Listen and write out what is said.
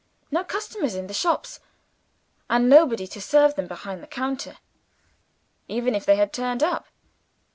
No customers in the shops, and nobody to serve them behind the counter, even if they had turned up.